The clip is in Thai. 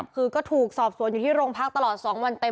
คือก็ถูกสอบสวนอยู่ที่โรงพักตลอด๒วันเต็ม